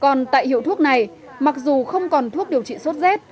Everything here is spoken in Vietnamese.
còn tại hiệu thuốc này mặc dù không còn thuốc điều trị sốt z